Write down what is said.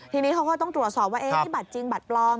ทีนี้เขาก็ต้องตรวจสอบว่านี่บัตรจริงบัตรปลอม